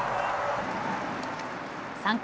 ３回。